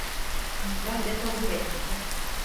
Ben de kabul ettim.